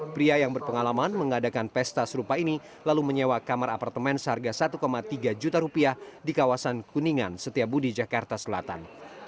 pria yang berpengalaman mengadakan pesta serupa ini lalu menyewa kamar apartemen seharga satu tiga juta rupiah di kawasan kuningan setiabudi jakarta selatan